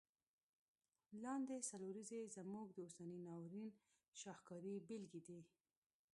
لاندي څلوریځي یې زموږ د اوسني ناورین شاهکاري بیلګي دي.